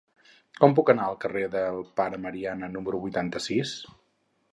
Com puc anar al carrer del Pare Mariana número vuitanta-sis?